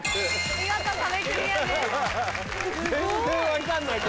見事壁クリアです。